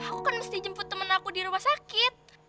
aku kan mesti jemput teman aku di rumah sakit